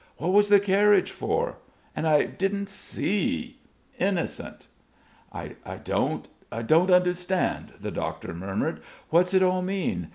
What was the carriage for? And I didn't see! Innocent!" "I don't ... I don't understand," the doctor murmured. "What's it all mean?